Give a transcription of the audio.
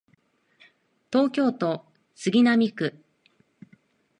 東京都杉並区